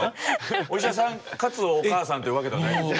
お医者さんかつお母さんというわけではないんですよ。